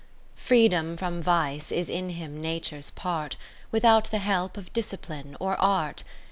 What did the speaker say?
30 Freedom from vice is in him Nature's part, Without the help of discipline or art.